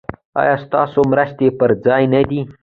ایا ستاسو مرستې پر ځای نه دي؟